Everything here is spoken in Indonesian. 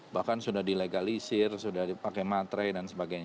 bahkan sudah dilegalisir sudah dipakai matre dan sebagainya